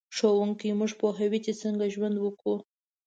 ښوونځی موږ پوهوي چې څنګه ژوند وکړو